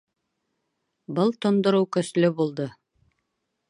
Был тондороу көслө булды